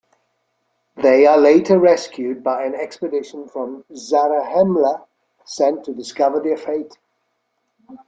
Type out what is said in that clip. They are later rescued by an expedition from Zarahemla sent to discover their fate.